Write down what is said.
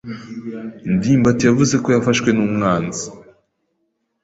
ndimbati yavuze ko yafashwe n'umwanzi.